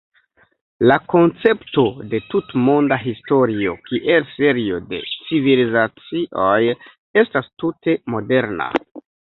La koncepto de tutmonda historio kiel serio de "civilizacioj" estas tute moderna.